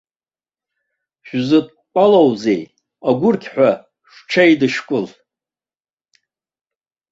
Шәзыдтәалоузеи, агәырқьҳәа шәҽеидышәкыл.